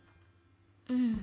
うん。